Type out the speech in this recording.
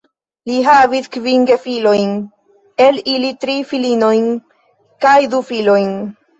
Li havis kvin gefilojn, el ili tri filinojn kaj du filojn.